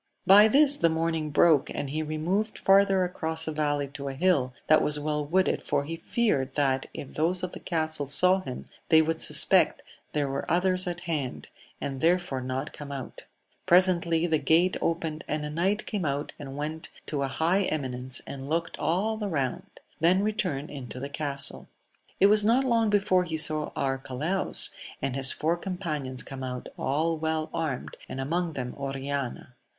By this the morning broke, and he removed farther across a valley to a hill that was well wooded, for he feared that if those of the castle saw him they would suspect there were others at hand, and therefore not come out. Presently the gate opened, and akii\^\\» c^m^ w^X,, ^\A^^\5J^ \r» ^\sn5^ AMADIS OF GAUL 195 eminence and looked all round ; then returned into tlie castle. It was not long before he saw Arcalaus and his four companions come out, all well armed, and among them Oriana.